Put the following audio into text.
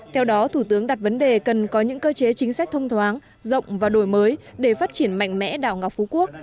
theo đó thủ tướng đặt vấn đề cần có những cơ chế chính sách thông thoáng rộng và đổi mới để phát triển mạnh mẽ đảo ngọc phú quốc